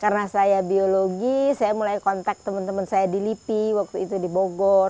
karena saya biologi saya mulai kontak teman teman saya di lipi waktu itu di bogor